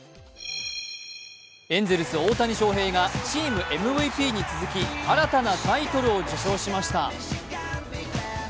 エンゼルス・大谷翔平がチームＭＶＰに続き新たなタイトルを受賞しました。